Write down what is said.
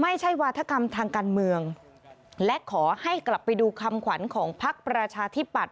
วาธกรรมทางการเมืองและขอให้กลับไปดูคำขวัญของพักประชาธิปัตย